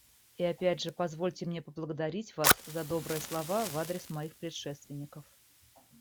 И опять же позвольте мне поблагодарить вас за добрые слова в адрес моих предшественников.